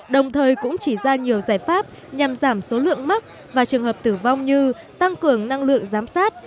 đồng thời cũng chỉ ra nhiều giải pháp nhằm giảm số lượng mắc và trường hợp tử vong như tăng cường năng lượng giám sát